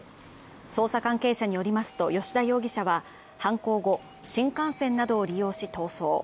捜査関係者によりますと葭田容疑者は犯行後、新幹線などを利用し逃走。